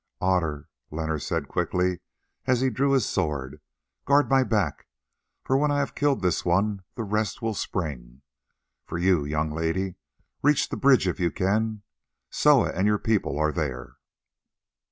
"Otter," Leonard said quickly, as he drew his sword, "guard my back, for when I have killed this one the rest will spring. For you, young lady, reach the bridge if you can. Soa and your people are there."